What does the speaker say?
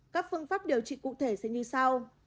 các phương pháp điều trị cụ thể sẽ như sau